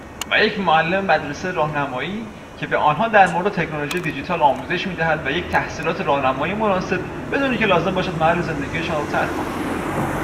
و یک معلم مدرسه راهنمایی، که به آنها در مورد تکنولوژی دیجیتال آموزش میدهد و یک تحصیلات راهنمایی مناسب، بدون اینکه لازم باشد محل زندگیشان را ترک کنند